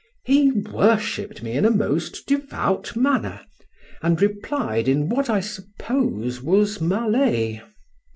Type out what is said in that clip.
He worshipped me in a most devout manner, and replied in what I suppose was Malay.